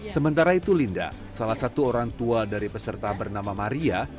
sementara itu linda salah satu orang tua dari peserta bernama maria